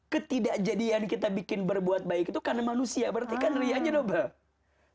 ketidakjadian kita bikin berbuat baik itu karena manusia berarti kan rianya dobel